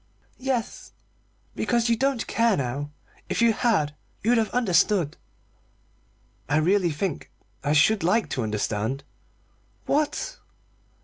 "Yes because you don't care now. If you had, you'd have understood." "I really think I should like to understand." "What?"